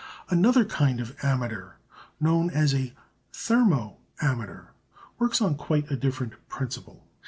Another kind of ammeter known as a thermo ammeter works on quite a different principle.